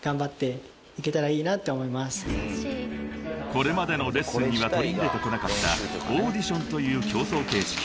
［これまでのレッスンには取り入れてこなかったオーディションという競争形式］